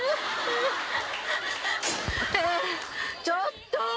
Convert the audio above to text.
ちょっと。